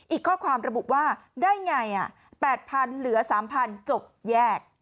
อีกข้อความระบุว่าได้ไง๘๐๐๐เหลือ๓๐๐จบแยก